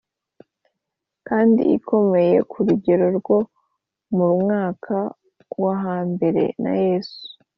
kandi ikomeye k urugero rwo mu mwaka wo hambere ya yesu